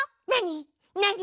なに？